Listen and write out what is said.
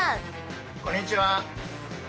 こんにちは。